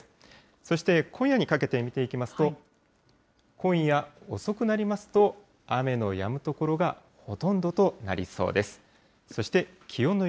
そして、今夜にかけて見ていきますと、今夜遅くなりますと、雨のやむ所がほとんどとなりそうです。